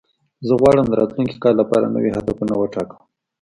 زه غواړم د راتلونکي کال لپاره نوي هدفونه وټاکم.